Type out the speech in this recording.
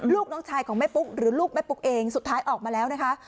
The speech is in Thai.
ลูกน้องชายของแม่ปุ๊กหรือลูกแม่ปุ๊กเองสุดท้ายออกมาแล้วนะคะ